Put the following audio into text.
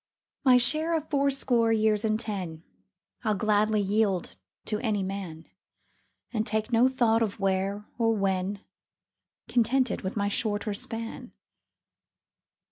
My share of fourscore years and ten I'll gladly yield to any man, And take no thought of " where " or " when," Contented with my shorter span.